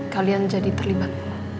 kalian jadi terlibat